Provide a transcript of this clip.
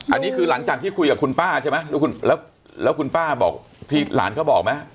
อันนี้คือหลังจากที่คุยกับคุณป้าใช่ไหมแล้วคุณป้าบอกที่หลานเขาบอกไหม